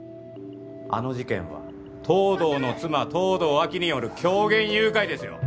あの事件は東堂の妻東堂亜希による狂言誘拐ですよ